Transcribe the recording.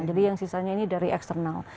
jadi yang sisanya ini dari external